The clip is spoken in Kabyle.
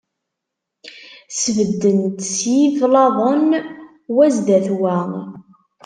Sbedden-t s yiblaḍen, wa sdat n wa.